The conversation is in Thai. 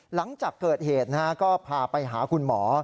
หลังจากเกิดเหตุก็พาไปหาคุณหมอ